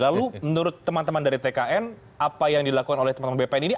lalu menurut teman teman dari tkn apa yang dilakukan oleh teman teman bpn ini